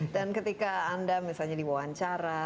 dan ketika anda misalnya di wawancara